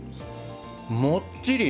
もっちり！